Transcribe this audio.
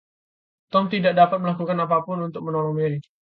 Tom tidak dapat melakukan apapun untuk menolong Mary.